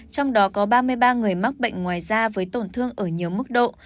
trong đó có ba mươi ba người mắc bệnh ngoài da với tổn thương ở nhiều mức độ